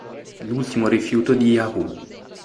L'ultimo rifiuto di Yahoo!